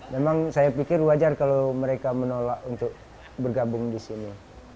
memang saya pikir wajar kalau mereka menolak untuk bergabung di sini